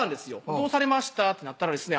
「どうされました？」ってなったらですね